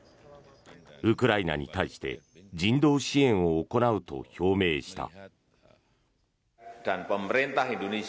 ウクライナに対して人道支援を行うと表明した。